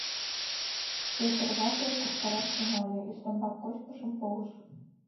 Вӧдыр вате куржталаш тӱҥале, ӱстембак кочкышым погыш.